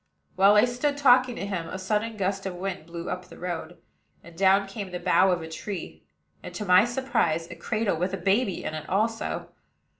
While I stood talking to him, a sudden gust of wind blew up the road, and down came the bough of a tree; and, to my surprise, a cradle with a baby in it also.